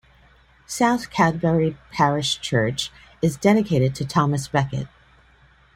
South Cadbury parish church is dedicated to Thomas Becket.